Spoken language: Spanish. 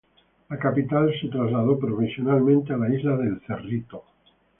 La capital se trasladó provisoriamente a la Isla del Cerrito.